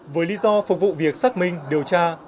với lý do phục vụ việc xác minh điều tra